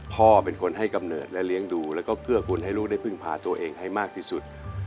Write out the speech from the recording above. พ่อเป็นคนให้กำเนิดและเลี้ยงดูแล้วก็เกื้อคุณให้ลูกได้พึ่งพาตัวเองให้มากที่สุด